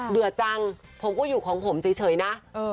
จังผมก็อยู่ของผมเฉยนะ